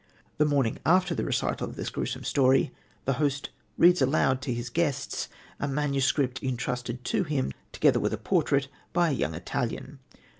The morning after the recital of this gruesome story, the host reads aloud to his guests a manuscript entrusted to him, together with a portrait, by a young Italian.